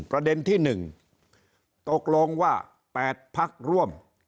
ประเด็นที่๑ตกลงว่า๘พักร่วม